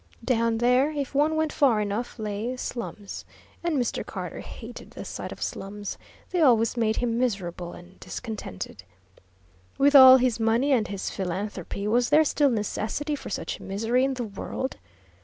Down there, if one went far enough, lay "slums," and Mr. Carter hated the sight of slums; they always made him miserable and discontented. With all his money and his philanthropy, was there still necessity for such misery in the world?